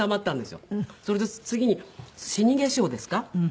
それで次に死化粧ですか？